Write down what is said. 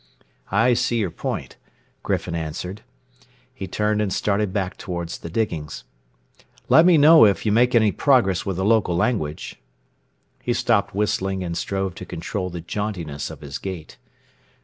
"I see your point," Griffin answered. He turned and started back toward the diggings. "Let me know it you make any progress with the local language." He stopped whistling and strove to control the jauntiness of his gait.